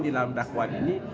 di dalam dakwaan ini